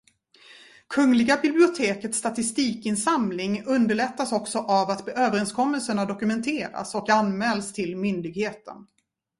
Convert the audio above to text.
Kungliga bibliotekets statistikinsamling underlättas också av att överenskommelserna dokumenteras och anmäls till myndigheten.